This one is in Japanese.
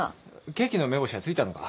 ケーキの目星は付いたのか？